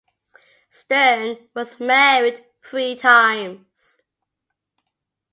Stern was married three times.